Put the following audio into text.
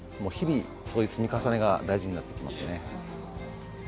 日々、その積み重ねが大事になってきますね。